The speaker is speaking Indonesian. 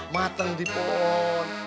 mateng di pohon